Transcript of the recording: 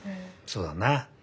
そうだな。